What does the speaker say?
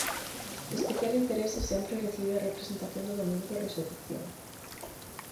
Especial interese sempre recibe a representación do domingo de resurrección.